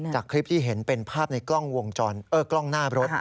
จากคลิปที่เห็นเป็นภาพในกล้องวงจรกล้องหน้ารถ